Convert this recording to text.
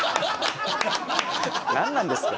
何なんですか？